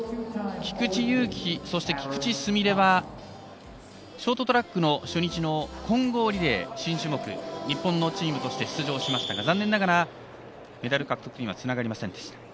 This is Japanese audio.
菊池悠希、菊池純礼はショートトラックの初日の混合リレー新種目、日本のチームとして出場しましたが残念ながらメダル獲得にはつながりませんでした。